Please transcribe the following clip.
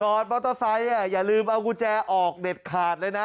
อดมอเตอร์ไซค์อย่าลืมเอากุญแจออกเด็ดขาดเลยนะ